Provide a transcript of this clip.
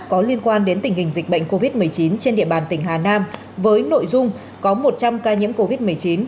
có liên quan đến tình hình dịch bệnh covid một mươi chín trên địa bàn tỉnh hà nam với nội dung có một trăm linh ca nhiễm covid một mươi chín